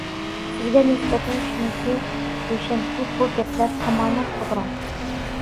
سىزگە نىسبەتەن شۇنىسى روشەنكى، بۇ گەپلەر تامامەن توغرا.